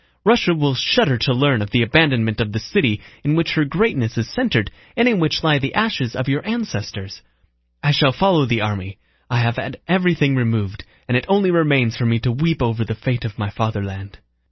Russia will shudder to learn of the abandonment of the city in which her greatness is centered and in which lie the ashes of your ancestors! I shall follow the army. I have had everything removed, and it only remains for me to weep over the fate of my fatherland.